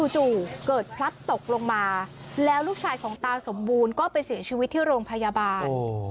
จู่เกิดพลัดตกลงมาแล้วลูกชายของตาสมบูรณ์ก็ไปเสียชีวิตที่โรงพยาบาล